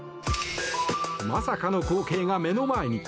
まさかの光景が目の前に。